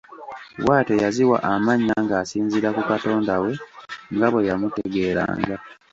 Bw’atyo yaziwa amannya ng’asinziira ku katonda we nga bwe yamutegeeranga.